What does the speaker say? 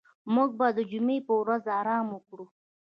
موږ به د جمعې په ورځ آرام وکړو.